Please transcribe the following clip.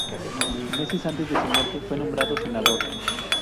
Meses antes de su muerte fue nombrado senador.